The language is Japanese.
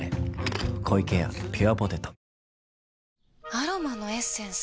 アロマのエッセンス？